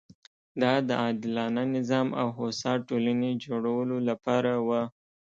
دا د عادلانه نظام او هوسا ټولنې جوړولو لپاره وه.